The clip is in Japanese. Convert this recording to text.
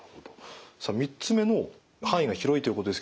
さあ３つ目の範囲が広いということですけど。